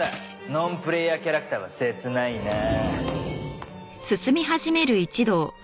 ノンプレーヤーキャラクターは切ないなあ。